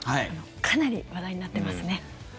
かなり話題になってますね。